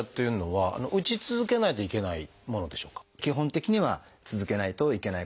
はい。